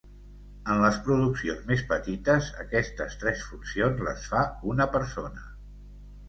En les produccions més petites, aquestes tres funcions les fa una persona.